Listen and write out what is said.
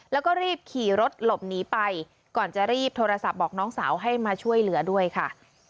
แล้วก็รีบขี่รถหลบหนีไปก่อนจะรีบโทรศัพท์บอกน้องสาวให้มาช่วยเหลือด้วยค่ะ